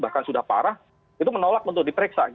bahkan sudah parah itu menolak untuk diperiksa